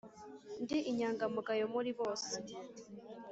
ndi inyangamugayo muri bose